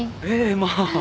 まあ。